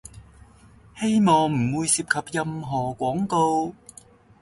希望唔會涉及任何廣告